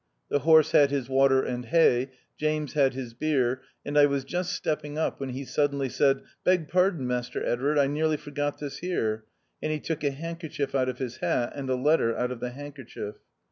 The horse had his water and hay, James had his beer, and I was just stepping up when he sud denly said, " Beg pardon, Master Eddarcl, I nearly forgot this here ;" and he took a handkerchief out of his hat, and a letter out of the handkerchief.